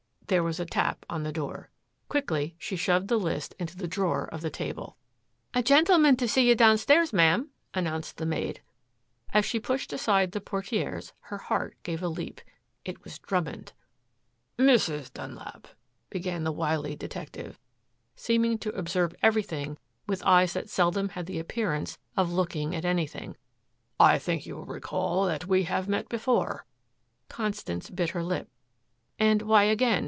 There was a tap on the door. Quickly, she shoved the list into the drawer of the table. "A gentleman to see you, downstairs, ma'am," announced the maid. As she pushed aside the portieres, her heart gave a leap it was Drummond. "Mrs. Dunlap," began the wily detective, seeming to observe everything with eyes that seldom had the appearance of looking at anything, "I think you will recall that we have met before." Constance bit her lip. "And why again?"